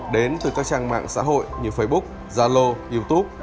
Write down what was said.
đến từ các trang mạng xã hội như facebook zalo youtube